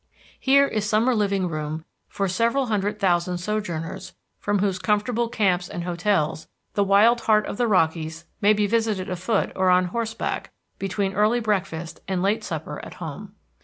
Here is summer living room enough for several hundred thousand sojourners from whose comfortable camps and hotels the wild heart of the Rockies may be visited afoot or on horseback between early breakfast and late supper at home.